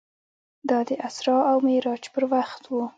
دا د اسرا او معراج پر وخت و.